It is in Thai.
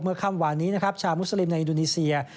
เมื่อค่ำวานนี้ชาวมุสลิมในอินดูนีเซีย